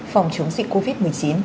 phòng chống dịch covid một mươi chín